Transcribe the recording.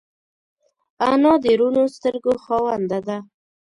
انا د روڼو سترګو خاوند ده